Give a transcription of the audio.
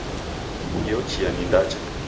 Iyo chia ni ndacha